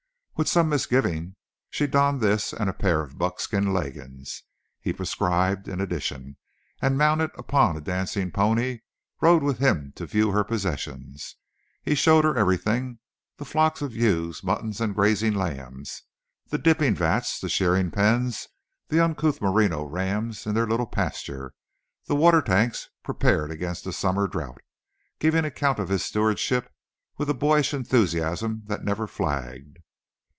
With some misgivings she donned this and the pair of buckskin leggings he prescribed in addition, and, mounted upon a dancing pony, rode with him to view her possessions. He showed her everything—the flocks of ewes, muttons and grazing lambs, the dipping vats, the shearing pens, the uncouth merino rams in their little pasture, the water tanks prepared against the summer drought—giving account of his stewardship with a boyish enthusiasm that never flagged.